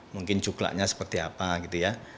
mungkin coklatnya seperti apa gitu ya